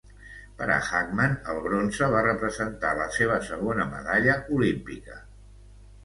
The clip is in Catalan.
Per a Hagman, el bronze va representar la seva segona medalla olímpica.